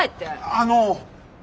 あの。